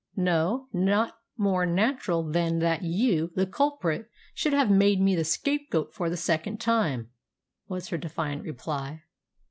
"No, not more natural than that you, the culprit, should have made me the scapegoat for the second time," was her defiant reply.